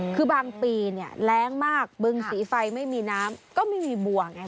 คือบางปีเนี่ยแรงมากบึงสีไฟไม่มีน้ำก็ไม่มีบัวไง